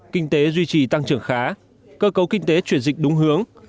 kinh tế duy trì tăng trưởng khá cơ cấu kinh tế chuyển dịch đúng hướng